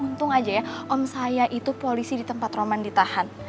untung aja ya om saya itu polisi di tempat roman ditahan